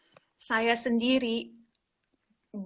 belum tentu bisa menjadi support sistem yang baik untuk setiap orang kan